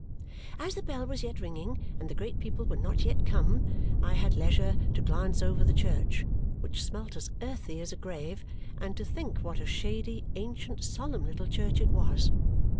As the bell was yet ringing and the great people were not yet come, I had leisure to glance over the church, which smelt as earthy as a grave, and to think what a shady, ancient, solemn little church it was.